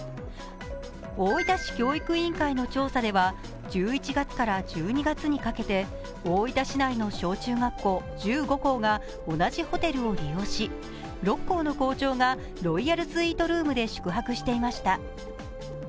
大分市教育委員会の調査では１１月から１２月にかけて大分市内の小中学校１５校が同じホテルを利用し６校の校長がロイヤルスイートルームで宿泊していました。